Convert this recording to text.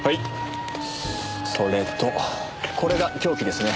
それとこれが凶器ですね。